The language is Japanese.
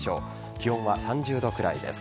気温は３０度くらいです。